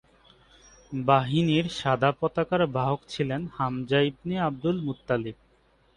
বাহিনীর সাদা পতাকার বাহক ছিলেন হামজা ইবনে আবদুল মুত্তালিব।